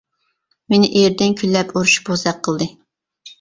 مېنى ئېرىدىن كۈنلەپ ئۇرۇشۇپ بوزەك قىلدى.